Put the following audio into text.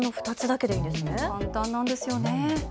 簡単なんですよね。